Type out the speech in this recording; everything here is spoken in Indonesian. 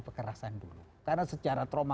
kekerasan dulu karena secara trauma